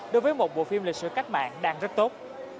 đối với một bộ phim lịch sử cách mạng đang rất tốt